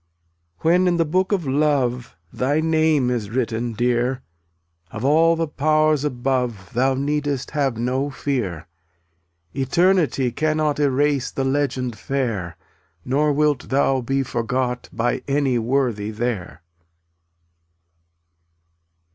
1287 When in the Book of Love Thy name is written, Dear, Of all the powers above Thou needest have no fear. Eternity cannot Erase the legend fair, Nor wilt thou be forgot By any worthy there.